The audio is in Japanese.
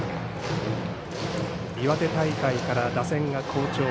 岩手大会から打線は好調。